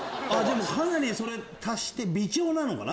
それ足して微調なのかな。